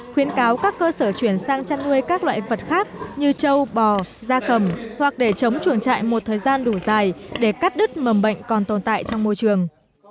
khuyến cáo các cơ sở chuyển sang chăn nuôi các loại vật khác như châu bò da cầm hoặc để chống chuồng trại một thời gian đủ dài để cắt đứt mầm bệnh còn tồn tại trong môi trường